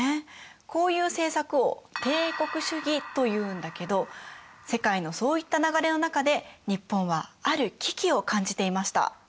こういう政策を「帝国主義」というんだけど世界のそういった流れの中で日本はある危機を感じていました。